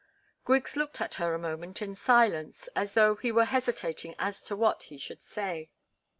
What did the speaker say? Griggs looked at her a moment in silence, as though he were hesitating as to what he should say.